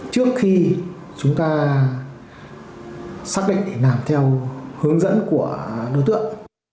trước khi chúng ta xác định để làm theo hướng dẫn của đối tượng